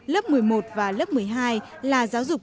lớp một mươi một và lớp một mươi hai là giáo dục